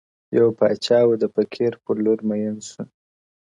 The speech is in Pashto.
یو پاچاوو د فقیر پر لور مین سو؛